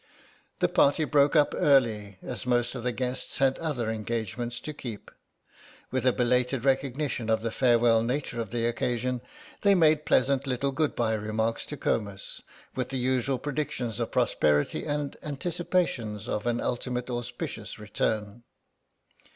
The party broke up early as most of the guests had other engagements to keep. With a belated recognition of the farewell nature of the occasion they made pleasant little good bye remarks to Comus, with the usual predictions of prosperity and anticipations of an ultimate auspicious return.